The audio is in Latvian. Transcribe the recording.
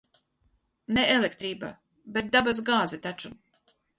Ne elektrība, bet dabas gāze taču.